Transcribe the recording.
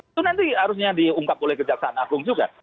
itu nanti harusnya diungkap oleh kejaksaan agung juga